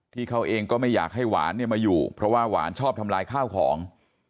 ที่เขาเองก็ไม่อยากให้หวานเนี่ยมาอยู่เพราะว่าหวานชอบทำลายข้าวของ